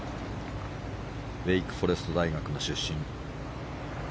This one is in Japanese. レイクフォレスト大学の出身。